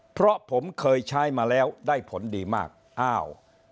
เพราะผมเคยใช้มาแล้วได้ผลดีมากอ้าว